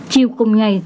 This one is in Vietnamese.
chiều cùng ngày